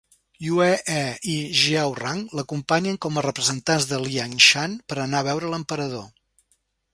Yue He i Xiao Rang l'acompanyen com a representants de Liangshan per anar a veure l'emperador.